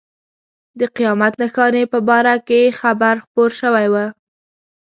د قیامت نښانې په باره کې خبر خپور شوی و.